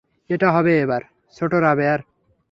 এটা হবে এবার, ছোট রোবেয়ার।